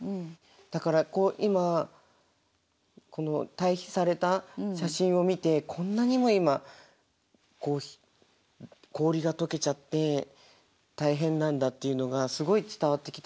だからこう今対比された写真を見てこんなにも今氷が解けちゃって大変なんだっていうのがすごい伝わってきたので。